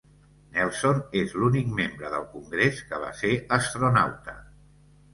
Nelson és l'únic membre del congrés que va ser astronauta.